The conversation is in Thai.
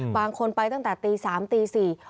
บางคนไปตั้งแต่ตี๓ตี๔